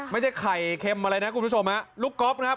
ไม่ใช่ไข่เค็มอะไรนะคุณผู้ชมฮะลูกก๊อฟนะครับ